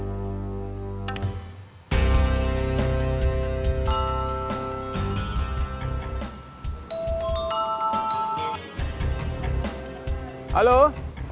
orang yang kemarin mau kita keroyok